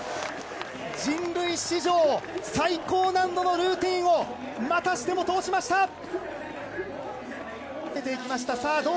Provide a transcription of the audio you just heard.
人類史上最高難度のルーティンをまたしても通しました！